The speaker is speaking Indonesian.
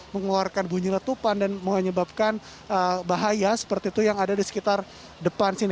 mengeluarkan bunyi letupan dan menyebabkan bahaya seperti itu yang ada di sekitar depan sini